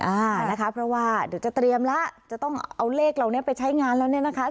อ่านะคะเพราะว่าเดี๋ยวจะเตรียมแล้วจะต้องเอาเลขเหล่านี้ไปใช้งานแล้วเนี่ยนะคะ